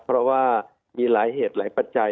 เพราะว่ามีหลายเหตุหลายปัจจัย